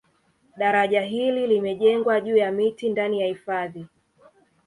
Daraja hili limejengwa juu ya miti ndani ya hifadhi